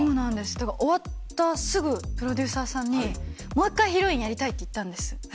だから終わったすぐ、プロデューサーさんに、もう一回ヒロインやりたいって言ったんです。